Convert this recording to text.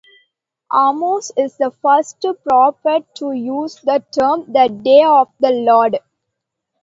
Amos is the first prophet to use the term the Day of the Lord.